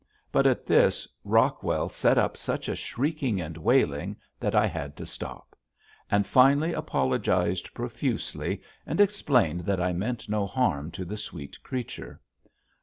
But at this Rockwell set up such a shrieking and wailing that I had to stop, and finally apologized profusely and explained that I meant no harm to the sweet creature.